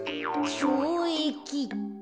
ちょうえきって？